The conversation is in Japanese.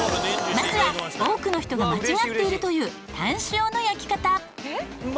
まずは多くの人が間違っているというタン塩の焼き方。